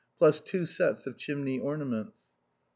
plus two sets of chimney ornaments.